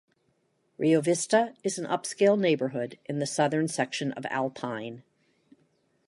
Rio Vista is an upscale neighborhood in the southern section of Alpine.